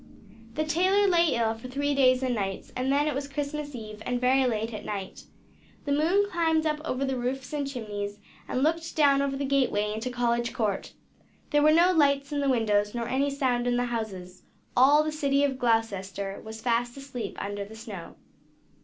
The tailor lay ill for three days and nights; and then it was Christmas Eve, and very late at night. The moon climbed up over the roofs and chimneys, and looked down over the gateway into College Court. There were no lights in the windows, nor any sound in the houses; all the city of Gloucester was fast asleep under the snow.